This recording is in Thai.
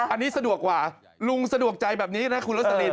อันนี้สะดวกกว่าลุงสะดวกใจแบบนี้นะคุณโรสลิน